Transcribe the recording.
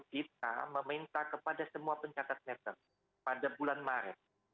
kita meminta kepada semua pencatat meter pada bulan maret